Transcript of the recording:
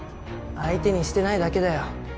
相手にしてないだけだよ。